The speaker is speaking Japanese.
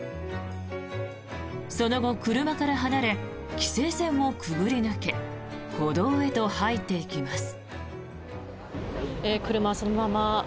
その後車から離れ、規制線をくぐり抜け歩道へと入っていきます。